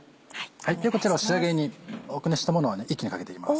こちらは仕上げによく熱したものは一気にかけていきます。